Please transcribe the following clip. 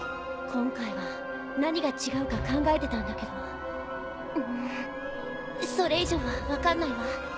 今回は何が違うか考えてたんだけどうーんそれ以上は分かんないわ。